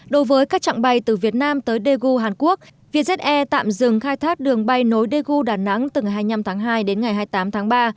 đối với các trạng bay từ việt nam tới daegu hàn quốc vietjet air tạm dừng khai thác đường bay nối daegu đà nẵng từ ngày hai mươi năm tháng hai đến ngày hai mươi tám tháng ba